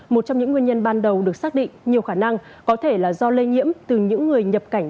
một trong những nguyên nhân ban đầu được xác định nhiều khả năng có thể là do lây nhiễm từ những người nhập cảnh